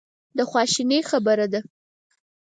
د خواشینۍ خبره ده.